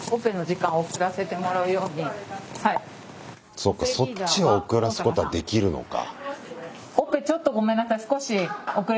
そっかそっちを遅らすことはできるのか。